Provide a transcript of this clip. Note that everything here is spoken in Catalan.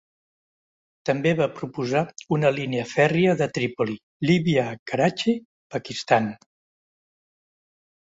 També va proposar una línia fèrria de Trípoli, Líbia a Karachi, Pakistan.